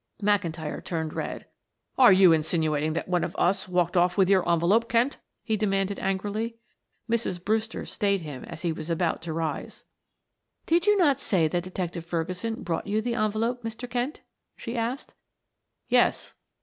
McIntyre turned red. "Are you insinuating that one of us walked off with your envelope, Kent?" he demanded angrily. Mrs. Brewster stayed him as he was about to rise. "Did you not say that Detective Ferguson brought you the envelope, Mr. Kent?" she asked. "Yes."